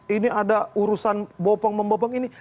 ini ada urusan bopong membopong ini